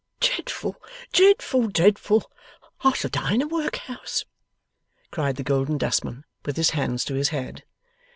'Dreadful, dreadful, dreadful! I shall die in a workhouse!' cried the Golden Dustman, with his hands to his head.